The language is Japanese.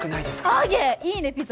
アゲいいねピザ